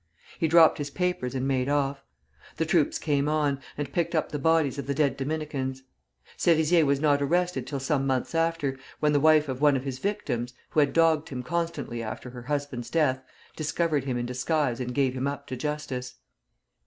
He dropped his papers and made off. The troops came on, and picked up the bodies of the dead Dominicans. Serizier was not arrested till some months after, when the wife of one of his victims, who had dogged him constantly after her husband's death, discovered him in disguise and gave him up to justice.